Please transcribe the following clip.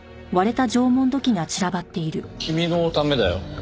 君のためだよ。